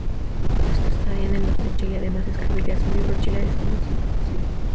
Durante esta estadía en el norte de Chile además escribiría su libro "Chile desconocido".